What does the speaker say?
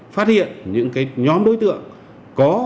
phát hiện những nhóm đối tượng